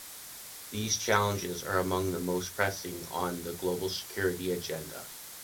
These challenges are among the most pressing on the global security agenda.